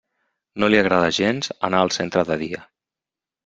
No li agrada gens anar al centre de dia.